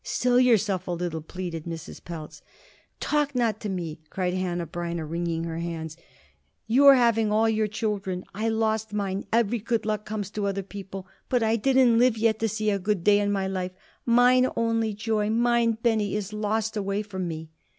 "Still yourself a little!" pleaded Mrs. Pelz. "Talk not to me!" cried Hanneh Breineh, wringing her hands. "You're having all your children. I lost mine. Every good luck comes to other people. But I didn't live yet to see a good day in my life. Mine only joy, mine Benny, is lost away from me."